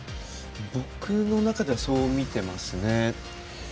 僕の中ではそう見ています。